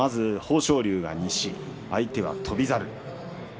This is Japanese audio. まず豊昇龍が西相手は翔猿。